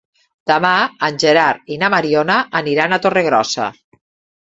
Demà en Gerard i na Mariona aniran a Torregrossa.